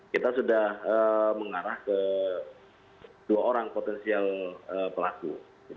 kita sudah mengarah ke dua orang potensial pelaku